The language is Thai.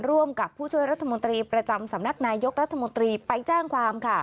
ร่วมกับผู้ช่วยรัฐมนตรีประจำสำนักนายกรัฐมนตรีไปแจ้งความค่ะ